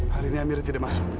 hari ini amir tidak masuk